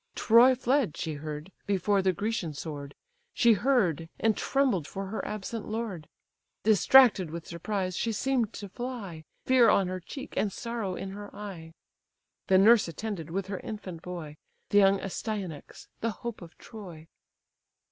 Troy fled, she heard, before the Grecian sword; She heard, and trembled for her absent lord: Distracted with surprise, she seem'd to fly, Fear on her cheek, and sorrow in her eye. The nurse attended with her infant boy, The young Astyanax, the hope of Troy."